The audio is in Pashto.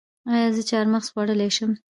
ایا زه چهارمغز خوړلی شم؟